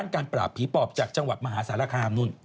การปราบผีปอบจากจังหวัดมหาสารคามนู่น